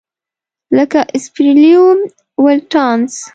لکه سپیریلوم ولټانس.